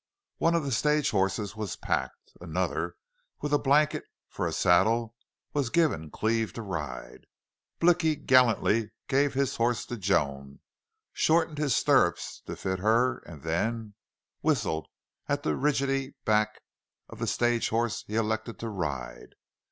One of the stage horses was packed. Another, with a blanket for a saddle, was given Cleve to ride. Blicky gallantly gave his horse to Joan, shortened his stirrups to fit her, and then whistled at the ridgy back of the stage horse he elected to ride.